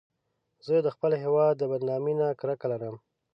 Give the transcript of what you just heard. زه د خپل هېواد د بدنامۍ نه کرکه لرم